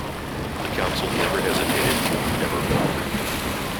The Council never hesitated, never faltered.